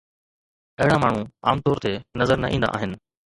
اهڙا ماڻهو عام طور تي نظر نه ايندا آهن